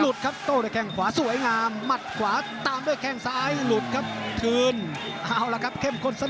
หลุดครับโต้ด้วยแค่งขวาสวยงาม